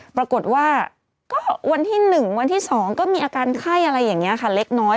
ปรากฏว่าก็วันที่๑วันที่๒ก็มีอาการไข้อะไรอย่างนี้ค่ะเล็กน้อย